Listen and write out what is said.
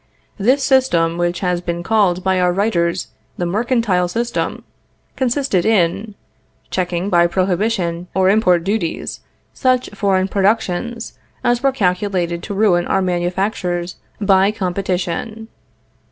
This system, which has been called by our writers the mercantile system, consisted in ... checking by prohibition or import duties such foreign productions as were calculated to ruin our manufactures by competition....